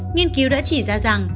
nghiên cứu đã chỉ ra rằng